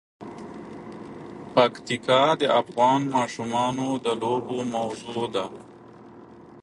پکتیکا د افغان ماشومانو د لوبو موضوع ده.